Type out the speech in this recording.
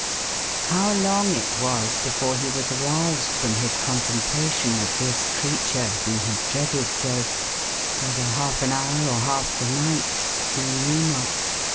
How long it was before he was aroused from his con templation of this creature, whom he dreaded so — whether half an hour, or half the night — he knew not.